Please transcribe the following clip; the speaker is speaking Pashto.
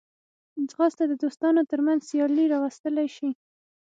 ځغاسته د دوستانو ترمنځ سیالي راوستلی شي